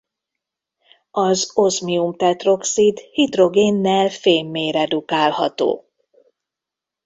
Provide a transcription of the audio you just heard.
Az ozmium-tetroxid hidrogénnel fémmé redukálható.